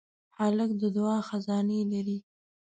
هلک د دعا خزانې لري.